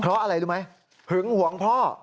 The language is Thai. เพราะอะไรรู้ไหมหึงหวงพ่อ